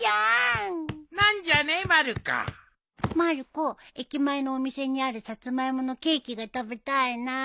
まる子駅前のお店にあるサツマイモのケーキが食べたいな。